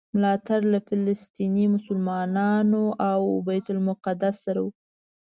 ملاتړ له فلسطیني مسلمانانو او بیت المقدس سره و.